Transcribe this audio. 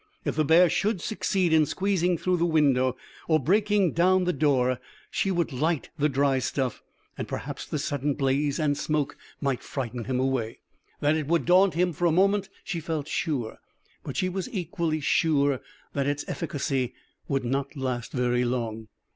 If the bear should succeed in squeezing through the window or breaking down the door, she would light the dry stuff, and perhaps the sudden blaze and smoke might frighten him away. That it would daunt him for a moment, she felt sure, but she was equally sure that its efficacy would not last very long.